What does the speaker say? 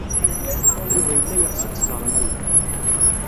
Yuba yella yeɣs ad teẓrem aya.